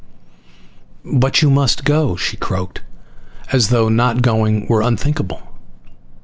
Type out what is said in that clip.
"But you must go!" she croaked as though my not going were unthinkable.